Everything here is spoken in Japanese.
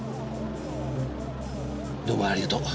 どうもありがとう。